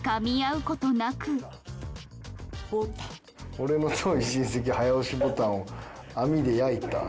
俺の遠い親戚早押しボタンを網で焼いた？